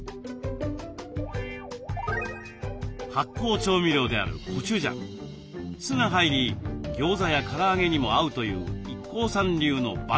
発酵調味料であるコチュジャン酢が入りギョーザやから揚げにも合うというＩＫＫＯさん流の万能だれです。